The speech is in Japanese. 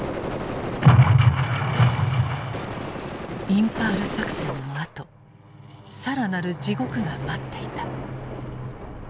インパール作戦のあと更なる地獄が待っていた。